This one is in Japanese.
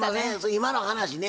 今の話ね